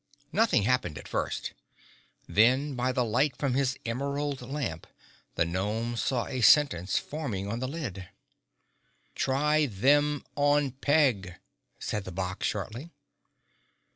Nothing happened at first. Then, by the light from his emerald lamp, the gnome saw a sentence forming on the lid. "Try them on Peg," said the box shortly.